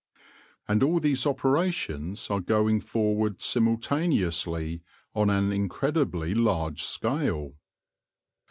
And all these operations are going forward simul taneously on an incredibly large scale.